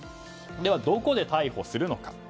では、どこで逮捕するのか。